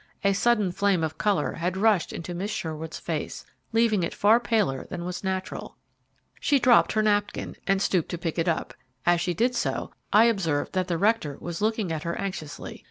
A sudden flame of colour had rushed into Miss Sherwood's face, leaving it far paler than was natural. She dropped her napkin, and stooped to pick it up. As she did so, I observed that the rector was looking at her anxiously.